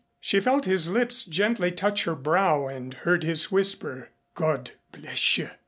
She felt his lips gently touch her brow and heard his whisper, "God bless you!"